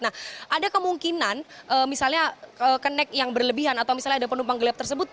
nah ada kemungkinan misalnya kenek yang berlebihan atau misalnya ada penumpang gelap tersebut